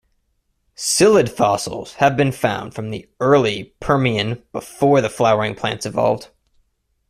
Psyllid fossils have been found from the early Permian before the flowering plants evolved.